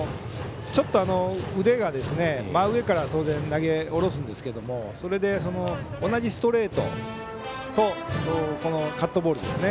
腕が真上から当然、投げ下ろすんですけどそれで同じストレートとカットボールですね